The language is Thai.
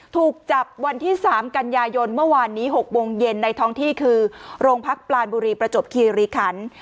ถูกจับวันที่๓กันยายนเมื่อวานนี้๖โมงเย็นในท้องที่คือโรงพักปลานบุรีประจบคีรีคัน